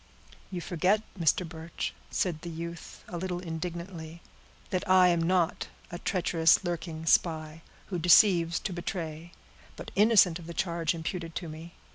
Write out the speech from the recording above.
"You forget, Mr. Birch," said the youth, a little indignantly, "that I am not a treacherous, lurking spy, who deceives to betray; but innocent of the charge imputed to me."